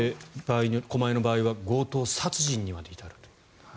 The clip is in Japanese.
狛江の場合は強盗殺人にまで至るという。